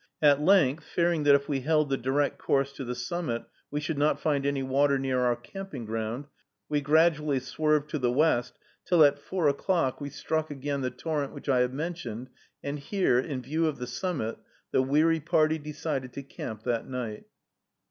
At length, fearing that if we held the direct course to the summit, we should not find any water near our camping ground, we gradually swerved to the west, till, at four o'clock, we struck again the torrent which I have mentioned, and here, in view of the summit, the weary party decided to camp that night.